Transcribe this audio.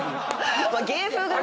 芸風がね。